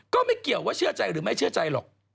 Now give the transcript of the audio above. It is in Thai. ก็ไม่เกี่ยวว่าเชื่อใจหรือไม่เชื่อใจหรอก